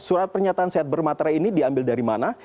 surat pernyataan sehat bermaterai ini diambil dari mana